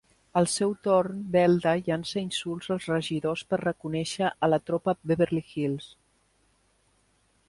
Al seu torn Velda llança insults als regidors per reconèixer a la tropa Beverly Hills.